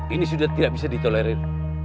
ini sudah tidak bisa ditolerir